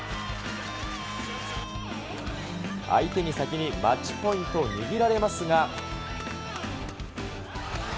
相手に先にマッチポイントを握られますが。